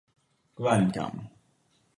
kvankam